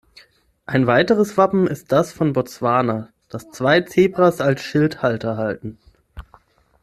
Ein weiteres Wappen ist das von Botswana, das zwei Zebras als Schildhalter halten.